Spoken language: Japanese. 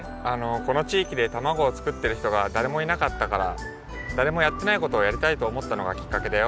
このちいきでたまごをつくってるひとがだれもいなかったからだれもやってないことをやりたいとおもったのがきっかけだよ。